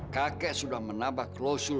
kakek sudah menambah klosur